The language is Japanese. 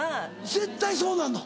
絶対そうなんの？